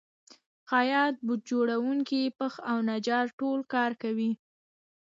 خیاط، بوټ جوړونکی، پښ او نجار ټول کار کوي